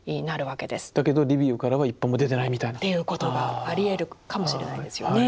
だけどリビウからは一歩も出てないみたいな。っていうことがありえるかもしれないですよね。